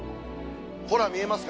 ほら見えますか？